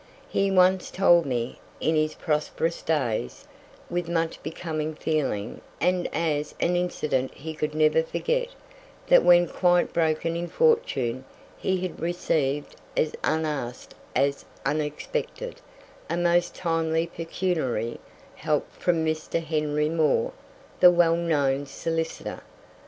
He once told me, in his prosperous days, with much becoming feeling, and as an incident he could never forget, that when quite broken in fortune, he had received, as unasked as unexpected, a most timely pecuniary help from Mr. Henry Moor, the well known solicitor.